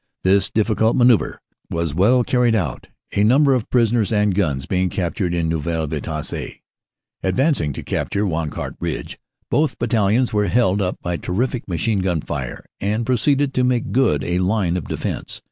This diffi cult manoauvre was well carried out, a number of prisoners and guns being captured in Neuville Vitasse. Advancing to capture Wancourt Ridge, both battalions were held up by terrific machine gun fire, and proceeded to make good a line of defense.